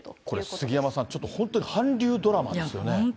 これ、杉山さん、本当に韓流ドラマですよね。